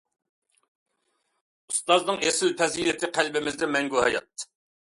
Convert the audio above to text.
ئۇستازنىڭ ئېسىل پەزىلىتى قەلبىمىزدە مەڭگۈ ھايات.